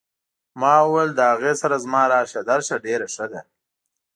ما وویل له هغې سره زما راشه درشه ډېره ښه ده.